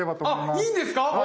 あいいんですか？